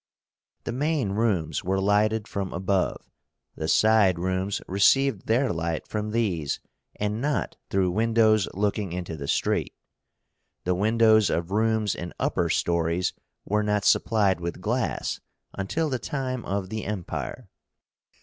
The main rooms were lighted from above; the side rooms received their light from these, and not through windows looking into the street. The windows of rooms in upper stories were not supplied with glass until the time of the Empire.